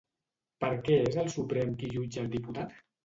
Per què és el Suprem qui jutja el diputat?